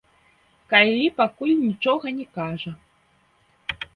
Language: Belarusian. Кайлі пакуль нічога не кажа.